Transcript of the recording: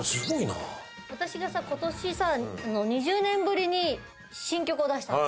あたしがさ今年２０年ぶりに新曲を出したの。